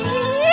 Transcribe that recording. iya pak bos